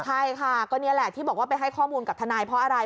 ใช่ค่ะก็นี่แหละที่บอกว่าไปให้ข้อมูลกับทนายเพราะอะไร